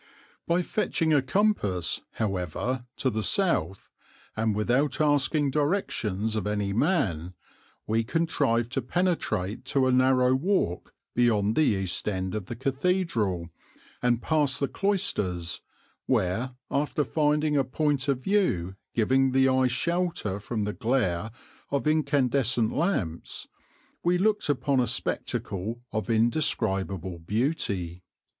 By fetching a compass, however, to the south, and without asking directions of any man, we contrived to penetrate to a narrow walk beyond the east end of the cathedral and past the cloisters, where, after finding a point of view giving the eye shelter from the glare of incandescent lamps, we looked upon a spectacle of indescribable beauty.